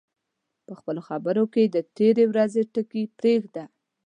په خپلو خبرو کې د تېرې ورځې ټکي پرېږده